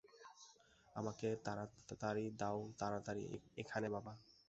আমাকে তারাতারি দাও তারাতারি - এখানে, বাবা!